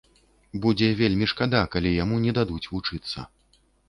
Будзе вельмі шкада, калі яму не дадуць вучыцца.